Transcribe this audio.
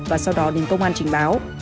và sau đó đến công an trình báo